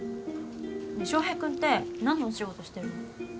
翔平君って何のお仕事してるの？